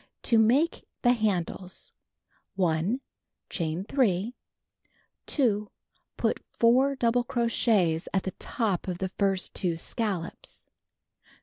6.) To Make the Handles: 1. Chain 3. 2. Put 4 double crochets at the top of the first two scallops.